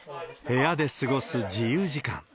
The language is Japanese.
部屋で過ごす自由時間。